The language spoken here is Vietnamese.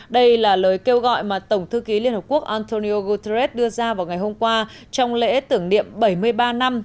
đây là lời kêu gọi mà tổng thư ký liên hợp quốc antonio guterres đưa ra vào ngày hôm qua trong lễ tưởng niệm bảy mươi ba năm